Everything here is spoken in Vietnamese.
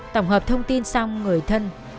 tổng hợp thông tin xong người thân